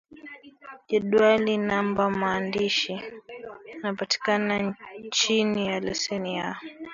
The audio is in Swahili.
Jedwali Namba Maandishi yanapatikana chini ya leseni ya